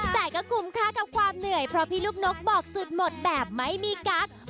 แต่ก็คุ้มค่ากับความเหนื่อยเพราะพี่ลูกนกบอกสุดหมดแบบไม่มีกั๊ก